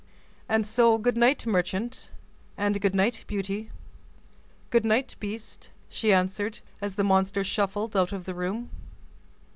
"And so good night, merchant. And good night, Beauty." "Good night, beast," she answered, as the monster shuffled out of the room.